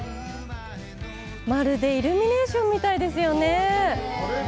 まるでイルミネーションみたいですよね。